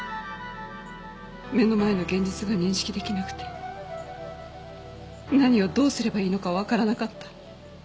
目の前の現実が認識出来なくて何をどうすればいいのかわからなかった。